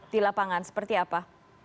di lapangan seperti apa